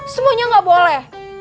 semuanya gak boleh